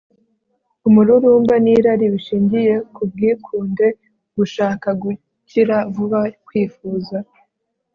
umururumba n'irari bishingiye ku bwikunde, gushaka gukira vuba, kwifuza